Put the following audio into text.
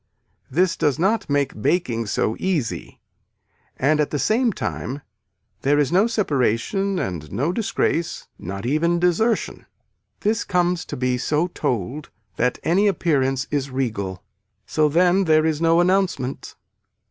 This does make baking so easy and at the same time there is no separation and no disgrace not even desertion. This comes to be so told that any appearance is regal. So then there is no announcement.